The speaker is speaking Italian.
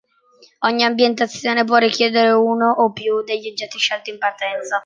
Ogni ambientazione può richiedere uno o più degli oggetti scelti in partenza.